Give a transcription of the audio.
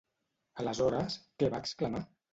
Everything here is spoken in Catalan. Aleshores, què va exclamar?